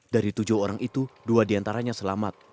dari tujuh orang itu dua diantaranya selamat